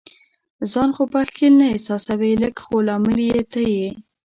ځان خو به ښکیل نه احساسوې؟ لږ، خو لامل یې ته نه یې.